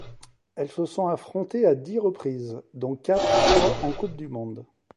Elles se sont affrontées à dix reprises, dont quatre fois en Coupe du monde.